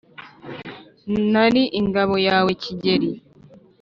nari ingabo yawe kigeli,